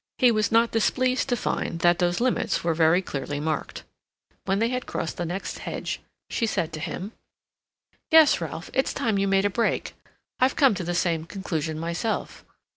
He was not displeased to find that those limits were very clearly marked. When they had crossed the next hedge she said to him: "Yes, Ralph, it's time you made a break. I've come to the same conclusion myself.